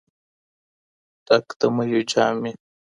ډك د ميو جام مي